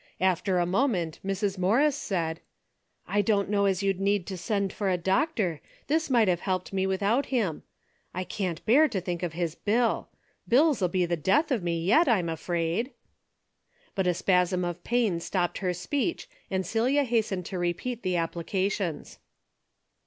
After a moment, Mrs. Morris said :" I don't know as you'd a needed to send for a doctor, this might have helped me with out him. I can't bear to think of his bill. Bills 'll be the death of me yet, I'm afraid." But a spasm of pain stopped her speech, and Celia hastened to repeat the applications.